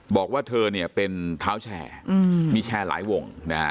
บอกว่าเธอเป็นเท้าแชร์มีแชร์หลายวง